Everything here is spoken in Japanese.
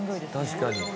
「確かに」